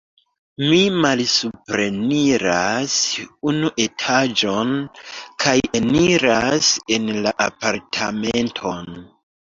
Mi malsupreniras unu etaĝon kaj eniras en la apartamenton.